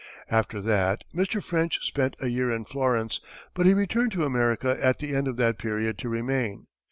After that Mr. French spent a year in Florence, but he returned to America at the end of that period to remain.